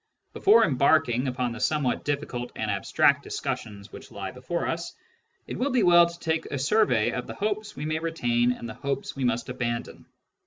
Before embarking upon the somewhat difficult and abstract discussions which lie before us, it will be well to take a survey of the hopes we may retain and the hopes we must abandon.